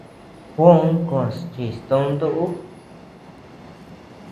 Juó koʼos chis tonto ú.